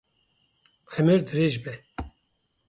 Emir dirêj be!